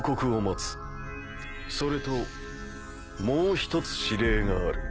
それともう一つ指令がある。